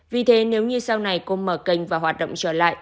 vì thế nếu như sau này cô mở kênh và hoạt động trở lại